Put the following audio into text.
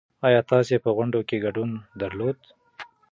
ايا تاسې په غونډه کې ګډون درلود؟